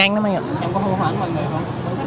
em có hô thoát mọi người không